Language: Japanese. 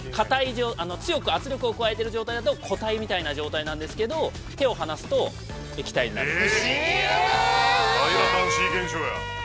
◆こういうふうに強く圧力を加えている状態だと固体みたいな液体なんですけど手を離すと液体になります。